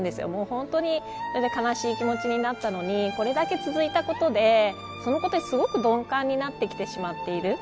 本当に悲しい気持ちになったのにこれだけ続いたことでそのことに鈍感になってきてしまっている。